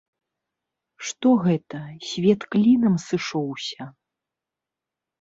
Што гэта, свет клінам сышоўся.